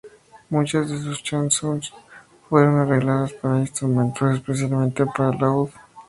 Muchas de sus "chansons" fueron arregladas para instrumentos, especialmente para laúd.